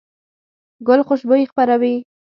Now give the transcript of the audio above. ګل خوشبويي خپروي.